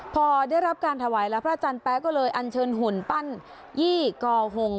พอได้รับการถวายแล้วพระอาจารย์แป๊ะก็เลยอันเชิญหุ่นปั้นยี่กอหง